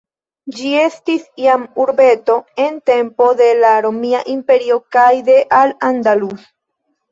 Ĝi estis jam urbeto en tempo de la Romia Imperio kaj de Al-Andalus.